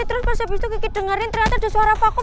terus pas habis itu kiki dengerin ternyata ada suara vakum